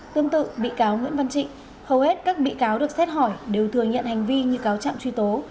tương tự bị cáo nguyễn văn trịnh hầu hết các bị cáo được xét hỏi đều thừa nhận hành vi như cáo trạng truy tố